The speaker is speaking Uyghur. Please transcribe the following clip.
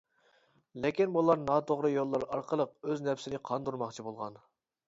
لېكىن بۇلار ناتوغرا يوللار ئارقىلىق ئۆز نەپسىنى قاندۇرماقچى بولغان.